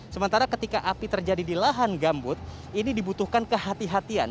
sementara ketika api terjadi di lahan gambut ini dibutuhkan kehatian